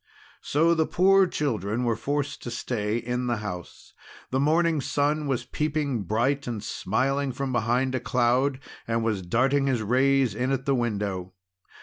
So the poor children were forced to stay in the house. The morning sun was peeping bright and smiling from behind a cloud, and was darting his rays in at the window.